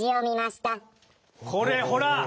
これほら！